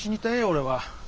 俺は。